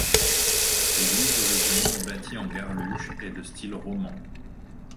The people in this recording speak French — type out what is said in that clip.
L'église d'origine, bâtie en garluche, est de style roman.